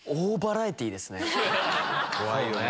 怖いよね。